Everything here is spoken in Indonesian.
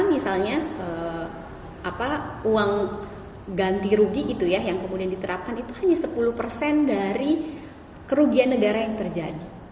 misalnya uang ganti rugi gitu ya yang kemudian diterapkan itu hanya sepuluh persen dari kerugian negara yang terjadi